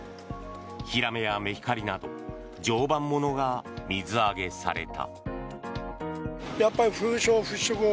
ヒラメやメヒカリなど常磐ものが水揚げされた。